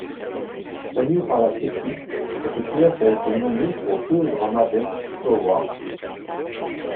Saluée par la critique, cette pièce a été nommée pour deux Drama Desk Awards.